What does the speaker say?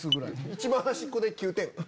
一番端っこで９点！